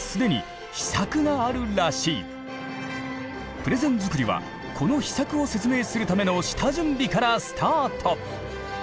プレゼン作りはこの秘策を説明するための下準備からスタート。